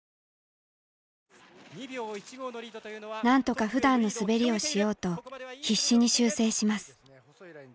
なんとかふだんの滑りをしようと必死に修正します。